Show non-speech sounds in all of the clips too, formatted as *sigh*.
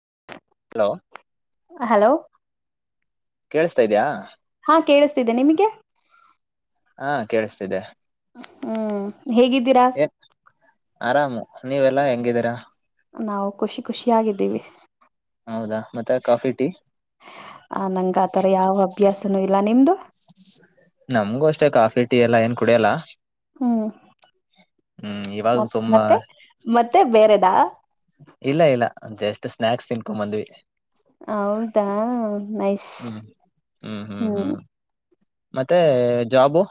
*inaudible* Hello hello ಕೇಳಿಸತಾ ಇದ್ಯಾ ಕೇಳಿಸ್ತಿದ್ದೇನೆ ನಿಮಿಗೆ ಆ ಕೇಳಿಸ್ತಿದ್ದೆ. ಹ್ಮ್ ಹೇಗಿದ್ದೀರಾ ಏ ಆರಾಮು ನೀವೆಲ್ಲಾ ಹೆಂಗಿದ್ದೀರಾ? ನಾವು ಖುಷಿ ಖುಷಿಯಾಗಿದ್ದೀವಿ. ಹೌದಾ ಮತ್ತೆ ಕಾಫಿ ಟೀ ಆ ನಂಗ್ ಆತರ ಯಾವ ಅಭ್ಯಾಸನು ಇಲ್ಲ ನಿಮ್ದು? ಟೆ ಕಾಫಿ ಟೀ ಎಲ್ಲ ಏನ್ ಕುಡಿಯಲ್ಲ. ಹ್ಮ್ ಹ್ಮ್ ಮ ಇವಾಗ ಸುಮ್ಮ ಮತ್ತೆ ಮತ್ತೆ ಬೇರೆದಾ? ಇಲ್ಲ ಇಲ್ಲ ಅ ಜಸ್ಟ್ ಸ್ನಾಕ್ಸ್ ತಿನ್ಕೊಂಬಂದ್ವಿ ಹೌದಾ ನೈಸ್ ಹ್ಮ್ ಹ್ಮ್ ಹ್ಮ್ ಹ್ಮ್ ಮತ್ತೆ ಜಾಬು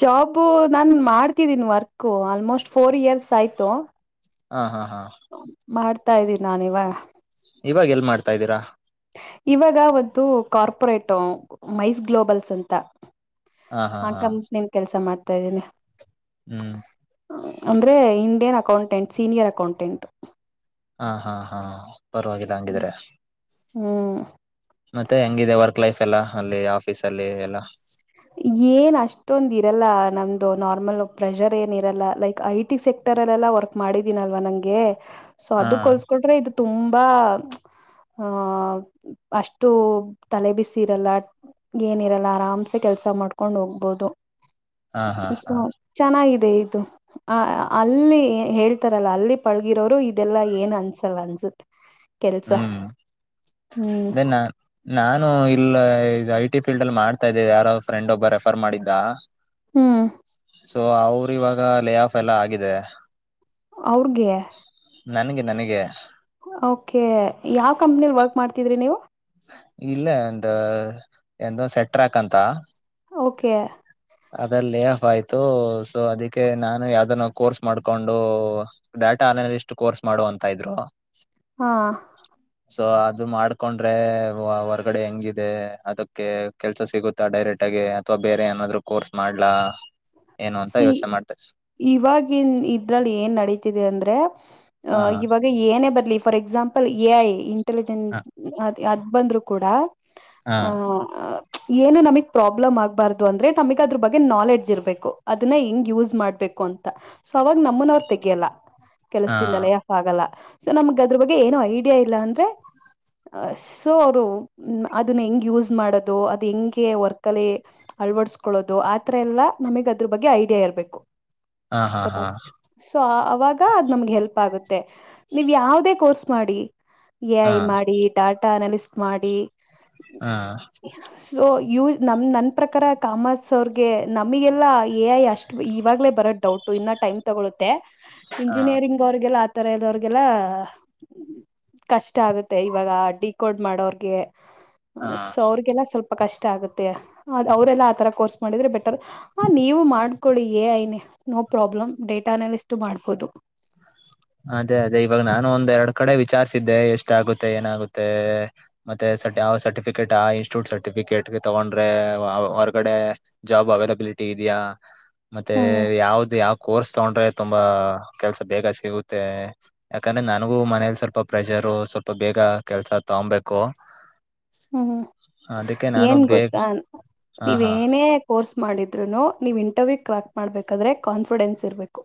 ಜಾಬು ನಾನ್ ಮಾಡ್ತಿದೀನಿ ವರ್ಕ್ ಆಲ್ಮೋಸ್ಟ್ ಫೋರ್ ಇಯರ್ಸ್ ಆಯ್ತು. ಹಾ ಹಾ ಅ ಮಾಡ್ ಆತಾ ಇದೀನ್ ನಾನ ಇವಾಗ ಇವಾಗ ಎಲ್ ಮಾಡ್ತಾ ಇದ್ದೀರಾ? ಇವಾಗ ಒಂದು ಕಾರ್ಪೊರೇಟ್ ಮೈಸ್ ಗ್ಲೋಬಲ್ಸ್ ಅಂತ. ಹಾ ಹಾ ಆ ಹಾ ಕಂಪಿನಿಲ್ ಕೆಲ್ಸ ಮಾಡ್ ತ ಇದಿನಿ. ಹ್ಮ್ ಅಂದ್ರೆ ಇಂಡಿಯನ್ ಅಕೌಂಟೆಂಟ್ ಸೀನಿಯರ್ ಅಕೌಂಟೆಂಟ್ ಹಾ ಹಾ ಹಾ ಪರವಾಗಿಲ್ಲ ಹಂಗಿದ್ರೆ ಹ್ಮ್ ಮತ್ತೆ ಹೆಂಗಿದೆ ವರ್ಕ್ ಲೈಫ್ ಎಲ್ಲ ಅಲ್ಲಿ ಆಫೀಸ್ ಅಲ್ಲಿ ಎಲ್ಲಾ ಏನ್ ಅಷ್ಟೊಂದ್ ಇರಲ್ಲ ನಮ್ದು ನಾರ್ಮಲ್ ಪ್ರೆಷರ್ ಏನ್ ಇರಲ್ಲ ಲೈಕ್ ಐ ಟಿ ಸೆಕ್ಟರ್ ಅಲ್ಲ ಎಲ್ಲ ವರ್ಕ್ ಮಾಡಿದೀನಲ್ವಾ ನಂಗೆ ಸೊ ಹಾ ಅದ ಕೋಲ್ಸ್ಕೊಂಡ್ರೆ ಇದು ತುಂಬಾ ಆ ಅಷ್ಟು ತಲೆ ಬಿಸಿ ಇರಲ್ಲ ಏನಿರಲ್ಲ ಆರಾಮ್ ಕೆಲಸ ಮಾಡ್ಕೊಂಡ್ ಹೋಗ್ಬಹುದು ಹಾ ಹಾ ಹಾ ಅ ಚೆನ್ನ ಅದೇ ಇದು ಆ ಅಲ್ಲಿ ಹೇಳ್ತಾರಲ್ಲ ಅಲ್ಲಿ ಪಳ್ಗಿರೋರು ಇದೆಲ್ಲಾ ಏನ್ ಅನ್ಸಲ್ ಅನ್ಸುತ್ತೆ ಕೆಲ್ಸ ಹ್ಮ್ ಅ ನಾ ನಾನನ್ ನಾನು ಇಲ್ಲ ಇ ಐಟಿ ಫೀಲ್ಡ್ ಅಲ್ಲಿ ಮಾಡ್ತಾ ಇದ್ದೇವೆ ಯಾರೋ ಫ್ರೆಂಡ್ ಒಬ್ಬ ರೆಫರ್ ಮಾಡಿದ್ದ ಹ್ಮ್ ಸೊ ಅವ್ರ ಇವಾಗ ಲೇ ಆಫ್ ಎಲ್ಲ ಆಗಿದೆ ಅವ್ರಗೆ ನನ್ಗೆ ನನ್ಗೆ ಓಕೆ ಯಾವ್ ಕಂಪ್ನಿಲ್ ವರ್ಕ್ ಮಾಡ್ತಿದ್ರಿ ನೀವು ಇಲ್ಲ ಒಂದ ಎಂದ ಸೆಟ್ ಟ್ರ್ಯಾಕ್ ಅಂತ ಓಕೆ ಅದಲ್ಲಿ ಲೇ ಆಫ್ ಆಯ್ತು ಸೊ ಅದಕ್ಕೆ ನಾನು ಯಾವ್ದನ್ನೋ ಕೋರ್ಸ್ ಮಾಡ್ಕೊಂಡು ಡಾಟಾ ಆನಲಿಷ್ಟು ಕೋರ್ಸ್ ಮಾಡು ಅಂತ ಇದ್ರು ಹಾ ಸೊ ಅದು ಮಾಡ್ಕೊಂಡ್ ರ್ರೆ ಹೊರ್ಗಡೆ ಹೆಂಗಿದೆ ಅದುಕ್ಕೆ ಕೆಲ್ಸ ಸಿಗುತ್ತಾ ಡೈರೆಕ್ಟ್ ಆಗಿ ಅಥ್ವಾ ಬೇರೆ ಏನಾದ್ರು ಕೋರ್ಸ್ ಮಾಡ್ಲಾ ಏನು ಅಂತ ಸಿ ಯೋಚನೆ ಮಾಡ್ತಾರೆ ಇವಾಗಿನ್ ಇದ್ರಲ್ಲಿ ಏನ್ ನಡತಿದೆ ಅಂದ್ರೆ ಹ ಅಹ ಇವಾಗ ಏನೇ ಬ ಲಿ for exam A I intelligent ಹ ಅದ್ ಬಂದ್ರು ಕೂಡ ಹ ಏನು ನಮಗ್ ಪ್ರಾಬ್ಲಮ್ ಆಗ್ಬಾರ್ದು ಅಂದ್ರೆ ನಮ್ಗ್ ಅದ್ರ ಬಗ್ಗೆ ನಾಲೆಡ್ಜ್ ಇರ್ಬೇಕು ಅದನ್ನ ಹೆಂಗ್ ಯೂಸ್ ಮಾಡ್ಬೇಕು ಅಂತ ಸೊ ಅವಾಗ ನಮ್ಮನ್ ಅವರು ತೆಗ್ಯಲ್ಲ ಹ ಕೆಲ್ಸ್ ದಿಂದ ಲೇಯ್ ಆಫ್ ಆಗಲ್ಲ ಸೊ ನಮ್ಗ ಅದ್ರ ಬಗ್ಗೆ ಏನು ಐಡಿಯಾ ಇಲ್ಲ ಅಂದ್ರೆ ಸೊ ಅವರು ಅದನ್ನ ಹೆಂಗ್ ಯೂಸ್ ಮಾಡೋದು ಅದು ಹೆಂಗೆ ವರ್ಕ್ ಅಲ್ಲಿ ಅಳ್ವಡ್ಸ್ಕೊಳ್ಳೋದು ಆತರ ಎಲ್ಲಾ ನಮಿಗ್ ದ್ರ ಬಗ್ಗೆ ಐಡಿಯಾ ಇರ್ಬೇಕು ಹ ಹಾ ಹಾ ಸೊ ವಾಗ ಅ್ ನಮಗೆ ಹೆಲ್ಪ್ ಆಗುತ್ತೆ ನೀವ್ ಯಾವದೇ ಕೋರ್ಸ್ ಮಾಡಿ ಎ ಹಾ ಐ ಮಾಡಿ ಟಾಟಾನಲ್ಲಿ ಸ್ಪೆ ಮಾಡಿ ಹಾ ಇವ ನಮ್ ನನ್ ಪ್ರಕಾರ ಕಾಮಸ್ ಅವ್ರಗೆ ನಮ್ಗೆಲ್ಲಾ ಏ ಐ ಅಷ್ಟು ಇವಾಗಲೇ ಬರದ ಡೌಟ್ ಇನ್ನ ಟೈಮ್ ತಗೊಳುತ್ತೆ ಹಾ ಇಂಜಿನಿಯರಿಂಗ್ ಅವ್ರ್ಗೆಲ್ಲ ತರ ಎದೋರಗೆಲ್ಲ ಕಷ್ಟ ಆಗುತ್ತೆ ಇವಾಗ ಡಿ ಕೋಡ್ ಮಾಡೋರ್ಗೆ ಹಾ ಸೊ ಅವ್ರಿಗೆಲ್ಲ ಸ್ವಲ್ಪ ಕಷ್ಟ ಆಗುತ್ತೆ ಅವ್ರೆಲ್ಲಾ ಆ ತರ ಕೋರ್ಸ್ ಮಾಡಿದ್ರೆ ಬೆಟರ್ ಹ ನೀವು ಮಾಡ್ಕೊಳ್ಳಿ A I no problem data analyst ಮಾಡ್ಬೋದು ಅದೇ ಅದೇ ಇವಾಗ ನಾನು ಒಂದ್ ಎರ್ಡ್ ಕಡೆ ವಿಚಾರ್ಸಿದ್ದೆ ಎಷ್ಟ ಆಗುತ್ತೆ ಏನಾಗುತ್ತೆ ಮತ್ತೆ ಸ ಯಾವ್ ಸರ್ಟಿಫಿಕೇಟ್ ಆ ಇನ್ಸ್ಟಿಟ್ಯೂಟ್ ಸರ್ಟಿಫಿಕೇಟ್ ತಗೊಂಡ್ರೆ ಹೊರ್ಗಡೆ ಜಾಬ್ ಅವೈಲಬಿಲಿಟಿ ಇದ್ಯಾ ಮತ್ತೆ ಹ್ಮ್ ಯಾವ್ದ ಯಾವ್ ಕೋರ್ಸ್ ತಗೊಂಡ್ರೆ ತುಂಬಾ ಕೆಲ್ಸ ಬೇಗ ಸಿಗುತ್ ಮತ್ತೆ ಯಾಕಂದ್ರೆ ನನ್ಗೂ ಮನೇಲಿ ಸ್ವಲ್ಪ ಪ್ರೆಷರ್ ಸ್ವಲ್ಪ ಬೇಗ ಕೆಲ್ಸ ತಗಂಬೇಕು ಹ್ಮ್ ಏನ್ ಗೊತ್ತಾ ಹಾ ನೀವ್ ಹಾ ಏನೇ ಕೋರ್ಸ್ ಮಾಡಿದ್ರುನು ನೀವ್ ಇಂಟರ್ವ್ಯೂ ಕ್ರ್ಯಾಕ್ ಮಾಡ್ಬೇಕಾದ್ರೆ ಕಾನ್ಫಿಡೆನ್ಸ್ ಇರ್ಬೇಕು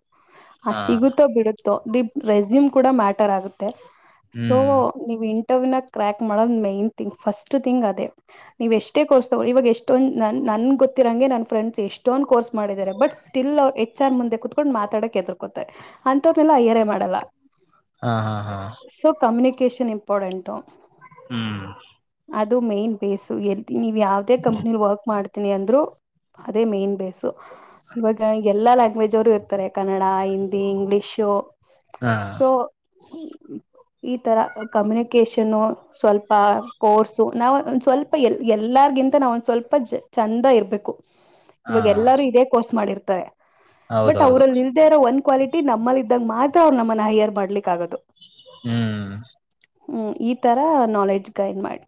ಹಾ ಆದ್ ಸಿಗುತ್ತೋ ಬಿಡುತ್ತೋ ದಿಪ್ ರೆಸ್ಯೂಮ್ ಕೂಡ ಮ್ಯಾಟರ್ ಆಗುತ್ತೆ ಸೊ ಹ್ಮ್ ನೀವ್ ಹಿಂಟ್ *unintelligible* ಕ್ರ್ಯಾಕ್ ಮಾಡೋದ್ ಮೈನ್. ಫಸ್ಟ್ ಥಿಂಗ್ ಅದೆ ನೀವ್ ಎಷ್ಟೇ ಕೋರ್ಸ್ ತಗೊಳಿ ಇವಾಗ ಎಷ್ಟೊಂದ ನನ್ ಗೊತ್ತಿರಂಗೆ ನನ್ ಫ್ರೆಂಡ್ಸ್ ಎಷ್ಟೊಂದ್ ಕೋರ್ಸ್ ಮಾಡಿದಿದ್ದಾರೆ ಬಟ್ ಸ್ಟಿಲ್ ಹೆಚ್ ಆರ್ ಮುಂದೆ ಕುತ್ಕೊಂಡು ಮಾತಾಡಕ್ ಎದರ್ಕೊತಾರೆ ಅಂತವ್ರನೆೆಲ್ಲ ಹೈಯಾರೆ ಮಾಡಲ್ಲ. ಹಾ ಹಾ ಹಾ. ಕೇಶನ್ ಇಂಪಾರ್ಟೆಂಟು. ಹ್ಮ್ ಅದು ಮೇನ್ ಬೇಸು ಎಲ್ ನೀವು ಯಾವ್ದೇ ಕಂಪನಿಯಲ್ಲಿ ವರ್ಕ್ ಮಾಡ್ ನಿ ಅಂದ್ರು ಅದೇ ಮೇನ್ ಬೇಸ್. ಇವಾಗ ಎಲ್ಲ. ವೆಜ್ ಅವರು ಇರ್ತಾರೆ ಕನ್ನಡ ಡ ಹಿಂದಿ ಇಂಗ್ಲಿಷು ಹಾ ಸೋ. ಈ ತರ ಕಮ್ಯುನಿಕೇಷನ್ ಸ್ವಲ್ ಕೋರ್ಸು ನಾವ್ ಒ ಸ್ವಲ್ಪ ಎಲ್ ಎಲ್ಲಾರ್ಗಿಂತ ನಾವ್ ಒಂದ್ ಸ್ವಲ್ಪ ಚಂದ ಇರ್ಬೇಕು. ಹಾ ಇವಾಗ ಎಲ್ಲಾರೂ ಇದೇ ಕೋರ್ಸ್ ಮಾಡಿರ್ತಾ ತ್ತ. ಬಟ್ ಹೌದೌದು ಅವರಲ್ಲಿ ಇಲ್ಲದೆ ಇರೋ ಒಂದು ಕ್ವಾಲಿಟಿ. *unintelligible* ನಮ್ಮಲ್ ಇದ್ದಾಗ ಮಾತ್ರ ಅವ್ರ್ ನಮ್ಮನ್ ಹೈಯರ್ ಮಾಡ್ಲಿಕ್ ಆಗೋದು. ಹ್ಮೂ. ಹ್ಮ್ ಈ ತರ ನಾಲೆಡ್ ಜ್ಗೈನ್ ಮಾಡಿ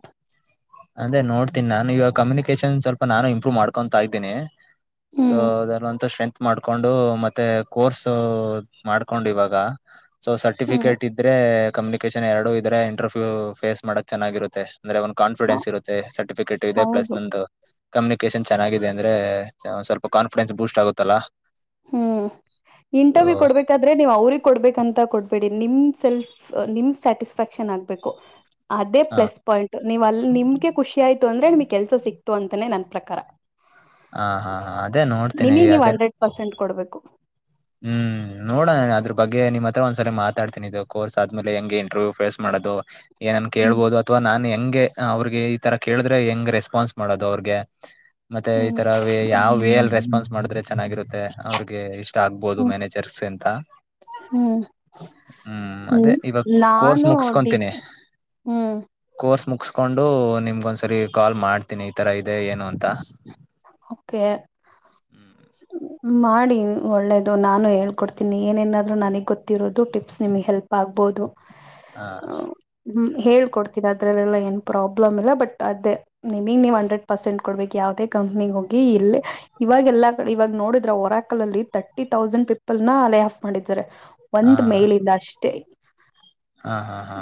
ಅದೇ ನೋಡ್ತೀನ್ ನಾನು ಇವಾಗ್ ಕಮ್ಯುನಿಕೇಶನ್ ಸ್ವಲ್ಪ ನಾನು ಇಂಪ್ರೂ ಮಾಡ್ಕೊಂತಾ ಇದ್ದೀನಿ ಸೋ ಹ್ಮ್ ಅದೆಲ್ಲ ಅಂತ ಸ್ಟ್ರೆಂತ್ ಮಾಡ್ಕೊಂಡೂ ಮತ್ತೆ ಕೋರ್ಸು ಮಾಡ್ಕೊಂಡ್ ಇವಾಗ ಸೊ ಹ್ಮ್ ಸರ್ಟಿಫಿಕೇಟ್ ಇದ್ರೇ ಕಮ್ಯುನಿಕೇಶನ್ ಎರಡು ಇದ್ರೆ ಇಂಟರ್ಫ್ಯೂ ಫೇಸ್ ಮಾಡಕ್ ಚೆನ್ನಾಗಿರುತ್ತೆ ಅಂದ್ರೆ ವನ್ ಹ ಫಿಡೆನ್ಸ್ ಇರುತ್ತೆ ಸರ್ಟಿಫಿಕೇಟು ಇದೆ ಪ್ಲಸ್ ಹೌದು ನಂದು ಕಮ್ಯುನಿಕೇಶನ್ ಚೆನ್ನಾಗಿದೆ ಅಂದ್ರೇ ಸ ಸ್ವಲ್ಪ ಕಾನ್ಫಿಡೆನ್ಸ್ ಬೂಸ್ಟ್ ಆಗುತ್ತಲ್ಲಾ? ಹ್ಮು, ಇಂಟರ್ವ್ಯೂ ಕೊಡ್ಬೇಕಾದ್ರೆ ನೀವ್ ಅವ್ರಿಗ್ ಕೊಡ್ಬೇಕಂತ ಕೊಡ್ಬೇಡಿ ನಿಮ್ ಸೆಲ್ಫ್ ನಿಮ್ ಸ್ಯಾಟಿಸ್ಫ್ಯಾಕ್ಷನ್ ಆಗ್ಬೇಕು ಅದೇ ಹ ಪ್ಲಸ್ ಪಾಯಿಂಟು ನೀವ್ ಅಲ್ ನಿಮ್ಗೆ ಖುಷಿ ಆಯ್ತು ಅಂದ್ರೆ ನಿಮಗ್ ಕೆಲ್ಸ ಸಿಕ್ ತುಅಂತನೇ ನನ್ ಪ್ರಕಾರ. ಆಹಹಾ ಅದೇ ನೋಡ್ತಿನಿ ನಿಮಗ್ ನೀವ್ ಅದೇ ಹಂಡ್ರೆಡ್ ಪರ್ಸೆಂಟ್ ಕೊಡ್ಬೇಕು. ಹ್ಮ್ ನೋಡಣ ಅದ್ರ ಬಗ್ಗೆ ನಿಮ್ಮ್ ಹತ್ರ ಒಂದ್ಸಲ ಮಾತಾಡ್ತೀನಿ ಇದು ಕೋರ್ಸ್ ಆದ್ಮೇಲೆ ಹೆಂಗೆ ಇಂಟರ್ವ್ಯೂ ಫೇಸ್ ಮಾಡೋದು. ಏನೇನ್ ಹ್ಮ್ ಕೇಳ್ಬೋದು ಅಥವಾ ನಾನೇ ಹೆಂಗೆ ಅವ್ರಿಗೆ ಈ ತರ ಕೇಳಿದ್ರೆ ಹೆಂಗ್ ರೆಸ್ಪಾನ್ಸ್ ಮಾಡೋದು ಅವ್ರಿಗೆ. ಮತ್ತೆ ಈ ಹ್ಮ್ ತರ ವ ಯಾವ್ ವೇ ಅಲ್ಲಿ ರೆಸ್ಪಾನ್ಸ್ ಮಾಡಿದ್ರೆ ಚೆನ್ನಾಗಿರುತ್ತೆ ಅವ್ರಿಗೆ ಇಷ್ ಹ್ಮ್ ಮ್ಯಾನೇಜರ್ ಗೇ ಅಂತ ಹ್ಮ್ ಹೂ ಅದೆ ಹ್ಮ್ ಇವಾಗ್ ಕೋರ್ಸ್ ನಾನು ಡಿಗ್ ಮುಗ್ಸ್ಕೊಂತೀನಿ ಹ್ಮ್ ಕ್ ಕೋರ್ಸ್ ಮುಗ್ಸ್ಕೊಂಡು ನಿಮ್ಗ್ ಒಂದ್ಸರಿ ಕಾಲ್ ಮಾಡ್ತೀನಿ ಈ ತರ ಇದೆ ಏನು ಅಂತ ಓಕೆ ಮಾಡಿ ಒಳ್ಳೇದು ನಾನು ಹೇಳ್ಕೊಡ್ತೀನಿ ಏನೇನಾದ್ರು ನನಗೆ ಗೊತ್ತಿರೋದು ಟಿಪ್ಸ್ ನಿಮಗೆ ಹೆಲ್ಪ್ ಆಗ್ಬೋದು. ಹಾ ಹ್ಮ ಹೇಳ್ಕೊಡ್ತೀನಿ ಅದ್ರಲ್ಲೆಲ್ಲ ಏನ್ ಪ್ರಾಬ್ಲಮ್ ಇಲ್ಲ ಬಟ್ ಅದೇ ನಿಮಗ್ ನೀವು ಹಂಡ್ರೆಡ್ ಪರ್ಸೆಂಟ್ ಕೊಡ್ಬೇಕು ಯಾವದೇ ಕಂಪ್ನಿಗ್ ಹೋಗಿ ಇಲ್ಲಿ ಇವಾಗ ಎಲ್ಲಾ ಕಡೆ ಇವಾಗ ನೋಡಿದ್ರ ಓರಾಕಲ್ಲಲ್ಲಿ ತರ್ಟಿ ತೌಸಂಡ್ ಪೀಪಲ್ ನ ಲೇ ಆಫ್ ಮಾಡಿದ್ದಾರೆ. ಹಾ ಒಂದ್ ಮೇಲಿಂದ ಅಷ್ಟೇ. ಹಾ ಹಾ ಹಾ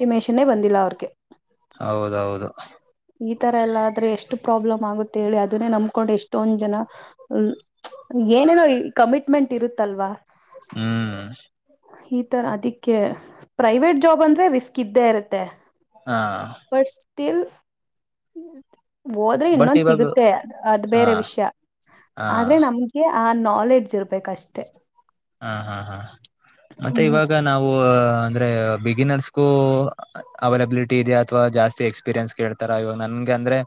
ಟಿಮೇಷನೇ ಬಂದಿಲ್ಲ ಅವ್ರಿಗೆ ಹೌದೌದು ಈ ತರ ಎಲ್ಲ ಆದ್ರೆ ಎಷ್ಟು ಪ್ರಾಬ್ಲಮ್ ಆಗುತ್ತೆ ಹೇಳಿ ಅದನ್ನೇ ನಮ್ಕೊಂಡು ಎಷ್ಟೊಂದ್ ಜನ ಏನೇನೋ ಈ ಕಮಿಟ್ಮೆಂಟ್ ಇರುತ್ತಲ್ವ. ಹ್ಮ್ ಈ ತರ ಅದಿಕ್ಕೆ ಪ್ರೈವೇಟ್ ಜಾಬ್ ಅಂದ್ರೆ ರಿಸ್ಕ್ ಇದ್ದೇ ಇರತ್ತೆ. ಹಾ ಬಟ್ ಸ್ಟಿಲ್ ಹ್ಮ ಹೋದ್ರೆ ಬಟ್ ಇನ್ನೊಂದ್ ಇವಾಗ ಸಿಗುತ್ತೆ ಅದ್ ಹಾ ಬೇರೆ ವಿಷಯ ಹಾ ಆದ್ರೆ ನಮ್ಗೆ ಆ ನಾಲೆಡ್ಜ್ ಇರ್ಬೇಕಷ್ಟೇ. ಹಾ ಹಾ ಹಾ ಮತ್ತೆ ಹ್ಮ್ ಇವಾಗ ನಾವು ಅಂದ್ರೆ ಬಿಗಿನರ್ಸ್ಗೂ ಅವೈಲಬಿಲಿಟಿ ಇದೆ ಅಥವಾ ಜಾಸ್ತಿ ಎಕ್ಸ್ಪೀರಿಯನ್ಸ್ ಕೇಳ್ತಾರ ಇವಾಗ ನನ್ಗೆ ಅಂದ್ರೆ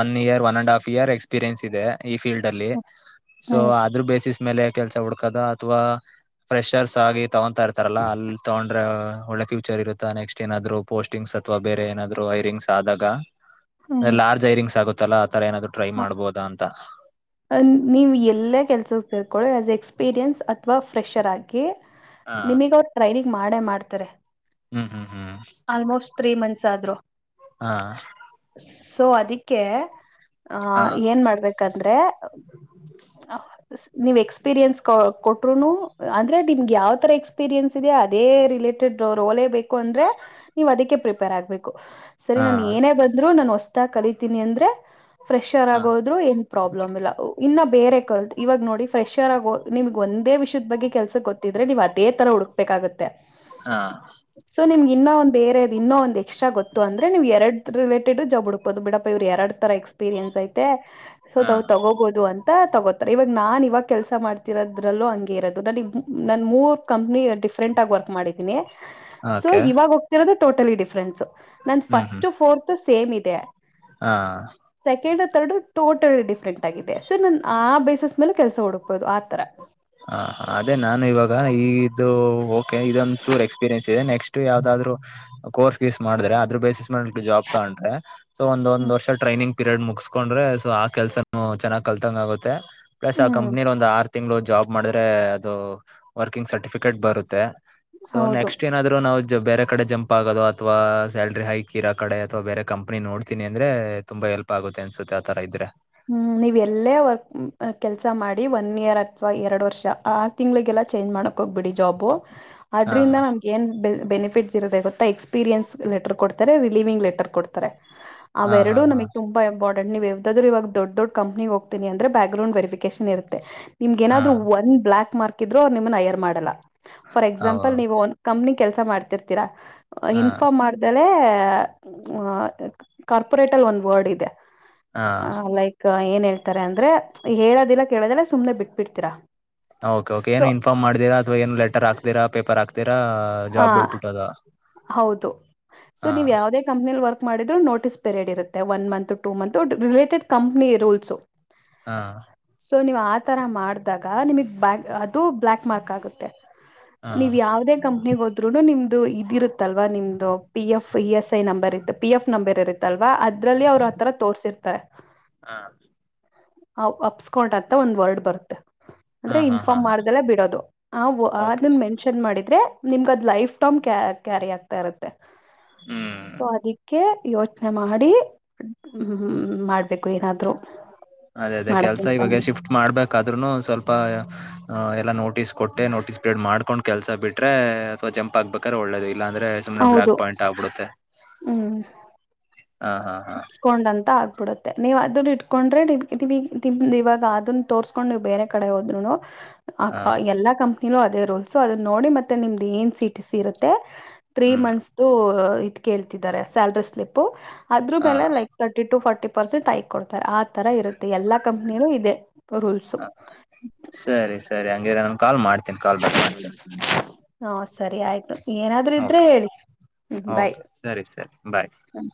one year one and half year experience ಇದೆ ಈ ಫೀಲ್ಡ್ ಅಲ್ಲಿ. ಸೊ ಆದ್ರೂ ಬೇಸಿಸ್ ಮೇಲೆ ಕೆಲಸ ಹುಡ್ಕದ ಅಥವಾ ಫ್ರೆಷರ್ಸ್ ಆಗಿ ತಗೊಂತಾ ಇರ್ತಾರಲ್ಲ ಅಲ್ ತಗೊಂಡ್ರೆ ಒಳ್ಳೆ ಫ್ಯೂಚರ್ ಇರುತ್ತಾ ನೆಕ್ಸ್ಟ್ ಏನಾದ್ರು ಪೋಸ್ಟಿಂಗ್ಸ್ ಅಥವಾ ಬೇರೆ ಏನಾದ್ರೂ ಹೈರಿಂಗ್ ಆದಾಗ. ಹ್ಮ್ ಲಾರ್ಜ್ ಹೈರಿಂಗ್ಸ್ ಆಗುತ್ ತಲಾ ತರ ಏನಾದೂ ಟ್ರೈ ಮಾಡ್ಬೋದ ಅಂತ. ಹ ನೀವ್ ಎಲ್ಲೇ ಕೆಲ್ಸಕ್ ಸೇರ್ಕೊಳಿ ಆಸ್ ಎ ಎಕ್ಸ್ಪೀರಿಯನ್ಸ್ ಅಥವಾ ಫ್ರೆಷರ್ ಆಗಿ ನಿಮಿಗ್ ಅವ್ರ್ ಟ್ರೈನಿಂಗ್ ಮಾಡೇ ಮಾಡ್ತಾರೆ. ಹ್ಮು ಹುಹು. ಸಾಬ್ರು ಹಾ ಸೊ ಅದಕ್ಕೆ ಹ ಹಾ ಏನ್ ಮಾಡ್ಬೇಕ ಯಾಕಂದ್ರೆ *inaudible* ನೀವ್ ಎಕ್ಸ್ಪೀರಿಯನ್ಸ್ ಕೊಟ್ರುನು ಅಂದ್ರೆ ನಿಮ್ಗೆ ಯಾವ ತರ ಎಕ್ಸ್ಪೀರಿಯೆನ್ಸ್ ಇದೆ ಅದೇ ರಿಲೇಟೆಡ್ ರೋಲೇ ಬೇಕು ಅಂದ್ರೆ ನೀವುಅದಕ್ಕೆ ಪ್ರಿಪೇರ್ ಆಗ್ಬೇಕು ಸರಿ ನನ್ ಏನೇ ಬಂದ್ರು ನ ಕಷ್ಟ ಕಲಿತೀನಿ ಅಂದ್ರೆ ಫ್ರೆಷ್ರ್ ಹಾ ಆಗೋದ್ರು ಏನ್ ಪ್ರಾಬ್ಲಮ್ ಇಲ್ಲ ಇನ್ನ ಬೇರೆ ಕಲ್ತ್ ಇವಾಗ ನೋಡಿ ಫ್ರೆಷ್ರ್ ಆಗೋ ನಿಮ್ಗ್ ಒಂದೇ ವಿಷಯದ ಬಗ್ಗೆ ಕೆಲ್ಸ ಕೊಟ್ಟಿದ್ರೆ ನೀವು ಅದೇ ತರ ಹುಡುಕ್ಬೇಕಾಗತ್ತೆ ಹಾ ಸೊ ನಿಮ್ಗೆ ಇನ್ನ ಒಂದು ಬೇರೆದು ಇನ್ನೊ ಒಂದು ಎಕ್ಸ್ಟ್ರಾ ಗೊತ್ತು ಅಂದ್ರೆ ನೀವು ಎರಡ್ ರಿಲೇಟೆಡು ಜಾಬ್ ಹುಡ್ಬಹದು ಬಿಡಪ್ಪ ಇವರು ಎರಡ್ ತರ ಎಕ್ಸ್ಪೀರಿಯನ್ಸ್ ಐತೆ ಹಾ ಸೊದವು ತಗೋಬಹದು ತಗೋತಾರೆ ಇವಾಗ ನಾನ್ ಇವಾಗ ಕೆಲಸ ಮಾಡ್ತಿರೋದ್ರಲ್ಲೂ ಹಂಗೆ ಇರೋದು ನ ನನ್ ಮೂರ್ ಕಂಪ್ನಿ ಡಿಫ್ರೆಂಟ್ ಆಗಿ ವರ್ಕ್ ಮಾಡಿದೀನಿ ಸೊ ಓಕೆ ಇವಾಗ ಹೋಗ್ತಿರೋದ ಟೋಟಲಿ ಡಿಫ್ರನ್ಸ್ ನನ್ ಹ್ಮ್ ಹ್ಮ್ ಫಸ್ಟ್ ಫೋರ್ತ್ ಸೇಮ್ ಇತ್ತು ತ್ತ ಹಾ ರ ಟೋಟಲ್ ಡಿಫ್ರೆಂಟ್ ಆಗಿದೆ ನನ್ ಆ ಬೇಸಿಸ್ ಮೇಲೆ ಕೆಲಸ ಹುಡುಕ್ ಬಹುದು ಆತರ ಹ ಅದೇ ನಾನು ಇವಾಗ ಈದು ಓಕೆ ಇದೊಂದು ಚೂ ಎಕ್ಸ್ಪೀರಿಯನ್ಸ್ ಇದೆ ನೆಸ್ಟ್ ಯಾವದಾದ್ರು ಕೋರ್ಸ್ ಸ್ ಮಾಡಿದ್ರೆ ಅದ್ರ ಬೇಸಿಸ್ ಮಾಡ ಜಾಬ್ ತಗಟ್ರೆ ಸೊ ಒಂದು ಒಂದು ವರ್ಷ ಟ್ರೈನಿಂಗ್ ಪಿರಿಯಡ್ ಮುಗಸ್ಕೊಂಡ್ರೆ ಸೊ ಆ ಕೆಲ್ಸನು ಚೆನ್ನಾಗ್ ಕಲ್ತಂಗ ಆಗುತ್ತೆ ಪ್ಲಸ್ ಆ ಹ್ಮ್ ಕಂಪ್ನಿರ್ ಒಂದು ಆರ್ ತಿಂಗಳು ಜಾಬ್ ಮಾಡಿದ್ರೆ ಅದು ವರ್ಕಿಂಗ್ ಸರ್ಟಿಫಿಕೇಟ್ ಬರುತ್ತೆ ಸೊ ಹೌದು ನೆಕ್ಸ್ಟ್ ಏನಾದ್ರು ನಾವ್ ಬೇರೆ ಕಡೆ ಜಂಪ್ ಆಗೋದು ಅಥವಾ ಸ್ಯಾಲ್ರಿ ಹೈಕ್ ಇರೋ ಕಡೆ ಅಥವಾ ಬೇರೆ ಕಂಪ್ನಿ ನೋಡುತಿನಿ ಅಂದ್ರೆ ತುಂಬಾ ಹೇಲ್ಪ್ ಆಗುತ್ತೆ ಅನ್ಸುತ್ತೆ ಆಥರ ಇದ್ರೆ ಹ್ಮ್ ನೀವ್ ಎಲ್ಲೇ ವರ್ಕ್ ಕೆಲ್ಸ ಮಾಡಿ ಬಿಡಿ ಒನ್ ಇಯರ್ ಅಥ್ವಾ ಎರಡು ವರ್ಷ ಆ ತಿಂಗ್ಗಳಿಗೆಲ್ಲ ಚೇಂಜ್ ಮಾಡಕ ಹೋಗ್ಬ ಬಿಡಿ ಜಾಬು ಹಾ ಅದ್ರಿಂದ ನಮ್ಗ್ ಏನ್ ಬೆಲ್ ಬೆನಿಫ್ ಫಿಟ್ಸ್ ಇರುತ್ತೆ ಗೊತ್ತಾ ಎಕ್ಸಪೀರಿಯನ್ಸ್ ಲೆಟರ್ ಕೊಡ್ತಾರೆ ರಿಲೀವಿಂಗ್ ಲೆಟರ್ ಕೊಡ್ತಾರೆ ಹಾ ಹಾ ಅವೆರ್ಡೂ ಹಾ ನಮಿಗ್ ತುಂಬಾ ಇಂಪಾರ್ಟ್ *unintelligible* ನೀವ್ ಯಾವತ್ತಾದ್ರೂ ಇವಾಗ ದೊಡ್ ದೊಡ್ ಕಂಪ್ನಿಗ್ ಹೋಗ್ತೀನಿ ಅಂದ್ರೆ ಬ್ಯಾಕ್ ಗ್ರೌಂಡ್ ವೆರಿಫಿಕೇಶನ್ ಇರತ್ತೆ ನಿಮ್ಗ್ ಹಾ ಏನಾದ್ರೂ ಒಂದ್ ಬ್ಲಾಕ್ ಮಾರ್ಕ್ ಕಿದ್ರೆ ಅವ್ರ್ ನಿಮ್ಮನ್ ಅಯರ್ ಮಾಡಲ್ಲ. ಫಾರ್ ಹೌ ಎಕ್ಸಾಂಪಲ್ ನೀವು ಒಂದ್ ಕಂಪ್ನಿಗ್ ಕೆಲ್ಸ ಮಾಡ್ತಿರ್ತಿರ ಅ ಹಾ ಇನ್ಫಾರ್ಮ್ ಮಾಡ್ದೆಲ್ *unintelligible* ಅ ಕಾರ್ಪೊರೇಟಲ್ ಒಂದ್ ವರ್ಡ್ ಇದೆ ಹಾ ಆ ಲೈಕ್ ಏನ್ ಹೇಳ್ತಾರೆ ಅಂದ್ರೆ ಹೇಳೋದಿಲ್ಲ ಕೇಳದಿಲ್ಲ ಸುಮ್ನೆ ಬಿಟ್ಬಿಡ್ತೀರ. ಓಕೆ ಓಕೆ ಏನು ಇನ್ಫಾರ್ ಮಾಡಿದಿರಾ ಅಥವಾ ಏನು ಲೆಟರ್ ಹಾಕಿದರ ಪೇಪರ್ ಹಾಕ್ ದಿರ ಹ ಜಾಬ್ ಬಿಡ್ಬಿಟ್ಟದ. ಹೌದು ಸೊ ಹಾ ನೀವು ಯಾವ್ದೇ ಕಂಪ್ನಿಲಿ ವರ್ಕ್ ಮಾಡಿದ್ರು ನೋಟಿಸ್ ಪಿರಿಯಡ್ ಇರುತ್ತೆ one month two month related company rules ಹಾ ಸೊ ನೀವ್ ಆತರ ಮಾಡಿದಾಗ ನಿಮಗ್ ಬ್ಯಾಂಕ್ ಆ ಬ್ಲ್ಯಾಕ್ ಮಾರ್ಕ್ ಆಗುತ್ತೆ ಹಾ ನೀವು ಯಾವುದೇ ಕಂಪನಿಗೆ ಹೋದ್ರುನು ನಿಮ್ ದು ಇದಿರುತ್ ತಲ್ವಾ ನಿಮ್ದು P F F E S number ಇತ್ತು ಪಿ ಎಫ್ ನಂಬರ್ ಇರು ತ್ತಲ್ವಾ ಅದ್ ದ್ರಲ್ಲಿ ಅವ್ರ ಆ ತರ ತೋರ್ಸಿರ್ ತರೆ ಹಾ ಅವ್ ಅಪ್ಸ್ಕೊಟ ಅಂತ ಒಂದ್ ವರ್ಡ್ ಬರುತ್ತೆ. ಹಾ ಅಂದ್ರೆ ಹಾ ಹಾ ಇನ್ಫಾರ್ಮ್ ಹಾ ಮಾಡ್ದಲೇ ಬಿಡೋದು ಆ ಓಕೆ ಅದನ್ ಮೆನ್ಷನ್ ಮಾಡಿದ್ರೆ ನಿಮ್ಗೆ ಅದು ಲೈಫ್ ಟಮ್ ಕ್ಯಾ ಕ್ಯಾರಿ ಆಗ್ತಾ ಇರುತ್ತೆ. ಹ್ಮ್ ಸೊ ಅದಿಕ್ಕೆ ಯೋಚನೆ ಮಾಡಿ ಹ್ಮ್ ಹ್ಮ್ ಹ್ಮ್ ಮಾಡ್ಬೇಕು ಏನಾದ್ರು. ಅದೇ ಅದೇ ಕೆಲ್ಸ ಮಾಡಕ್ಕಿಂತ ಇವಾಗ ಶಿಫ್ಟ್ ಮಾಡ್ಬೇಕಾದ್ರುನು ಸ್ವಲ್ಪ ಆ ಎಲ್ಲ ನೋಟಿಸ್ ಕೊಟ್ಟೆ ನೋಟಿಸ್ ಪಿರಿಡ್ ಮಾಡ್ಕೊಂಡ್ ಕೆಲಸ ಬಿಟ್ರೆ ಸೊ ಜಂಪ್ ಆಗ್ಬೇಕಾರ್ ಒಳ್ಳೆ *unintelligible* ಇಲ್ಲಾಂದ್ರೆ ಸುಮ್ನೆ ಬ್ಲ್ಯಾಕ್ ಹೌದು ಪಾಯಿಂಟ್ ಆಗ್ಬಿಡುತ್ತೆ. ಹಾ ಹಾ ಹಾ ಅಪ್ಸ್ಕೊಂಡ್ ಅಂತ ಆ ಬಿಡುತ್ತೆ ನೀವ್ ಅದ್ರ ಇಟ್ಕೊಂಡ್ರೆ ನೀವಿ ನಿಮ್ದ್ ಇವಾಗ ಅದನ್ ತೋರ್ಸ್ಕೊಂಡ್ ನೀವು ಬೇರೆ ಕಡೆ ಹೋದ್ರುನು ಹ ಹಾ ಕ ಎಲ್ಲಾ ಕಂಪ್ ನೀನು ಅದೇ ರೂಲ್ಸೊ ಅದನ್ನ ನೋಡಿ ಮತ್ತೆ ನಿಮ್ದು ಏನು ಸಿ ಟಿ ಸಿ ಇರುತ್ತೆ ತ್ರೀ ಹ್ಮ್ ಮಂತ್ಸ್ ದು ಇ ಇ ಕೇಳ್ತಿದ್ದಾರೆ ಸ್ಯಾಲ್ರಿ ಸ್ಲಿಪ್ಪು. ಅದ್ರು ಹಾ ಮೇಲೆ like thirty to forty percent hike ಕೊಡ್ತಾರ್ ಆ ತರ ಇರುತ್ತೆ ಎಲ್ಲಾ ಕಂಪ್ ಮೇಲು ಇದೆ. ರೂಲ್ಸು ಹ ಸರಿ ಸರಿ ಹಂಗಿದ್ರೆ ನನ್ ಕಾಲ್ ಮಾಡ್ *inaudible* ಹೊ ಸರಿ ಆಯ್ತು. ಏನಾದ್ರೂ ಓಕೆ ಇದ್ರೆ ಹೇಳಿ ಹ್ಮ್ ಬಾಯ್ ಓಕೆ ಸರಿ ಸರಿ ಬಾಯ್ ಹ